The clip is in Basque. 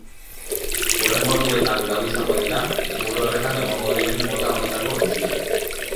Hurrengo orduetan lau izango dira inguru horretan egongo diren mota honetako ontziak.